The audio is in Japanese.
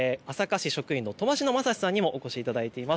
市職員の笘篠将志さんにもお越しいただいています。